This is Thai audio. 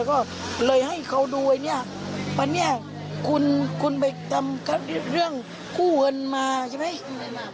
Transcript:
ก็เลยให้เขาดูวันนี้คุณไปทำเรื่องกู้เงินมาใช่ไหม